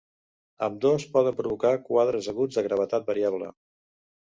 Ambdós poden provocar quadres aguts de gravetat variable.